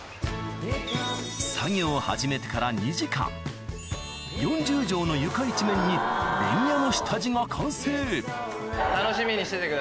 作業を始めてから２時間４０帖の床一面にベニヤの下地が完成はい。